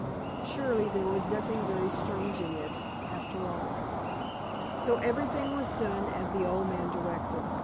Surely there was nothing very strange in it, after all. So everything was done as the old man directed.